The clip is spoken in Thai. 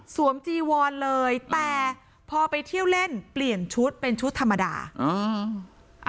จีวอนเลยแต่พอไปเที่ยวเล่นเปลี่ยนชุดเป็นชุดธรรมดาอ่า